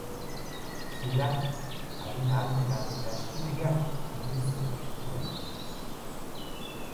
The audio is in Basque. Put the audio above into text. Silak haien ahalmenak eta eskubideak murriztu zituen.